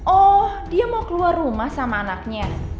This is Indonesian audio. oh dia mau keluar rumah sama anaknya